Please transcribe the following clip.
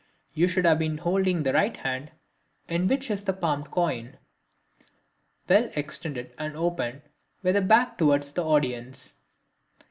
You should have been holding the right hand, in which is the palmed coin, well extended and open, with the back towards the audience.